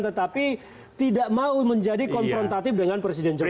tetapi tidak mau menjadi konfrontatif dengan presiden jokowi